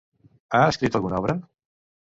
Ha escrit alguna obra?